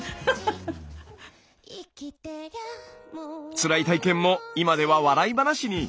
つらい体験も今では笑い話に。